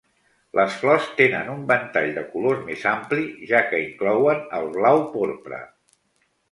Les flors tenen un ventall de colors més ampli, ja que inclouen el blau-porpra.